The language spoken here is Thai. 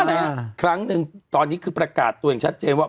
เพราะอะไรนะครั้งหนึ่งตอนนี้คือประกาศตัวเองชัดเจนว่า